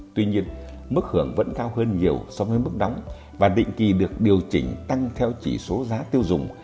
tuy nhiên mức hưởng vẫn cao hơn nhiều so với mức đóng và định kỳ được điều chỉnh tăng theo chỉ số giá tiêu dùng